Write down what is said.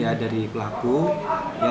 ya dari pelakunya